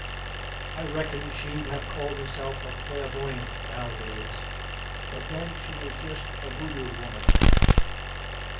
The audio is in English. I reckon she'd have called herself a clairvoyant nowadays, but then she was just a voodoo woman.